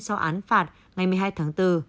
sau án phạt ngày một mươi hai tháng bốn